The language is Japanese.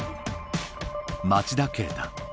町田啓太